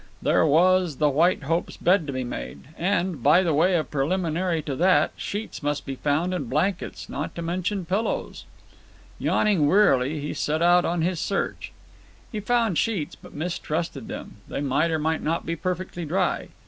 There was the White Hope's bed to be made, and, by the way of a preliminary to that, sheets must be found and blankets, not to mention pillows. Yawning wearily he set out on his search. He found sheets, but mistrusted them. They might or might not be perfectly dry.